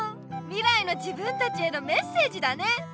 みらいの自分たちへのメッセージだね。